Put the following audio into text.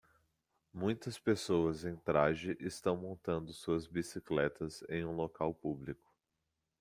Muitas pessoas em traje estão montando suas bicicletas em um lugar público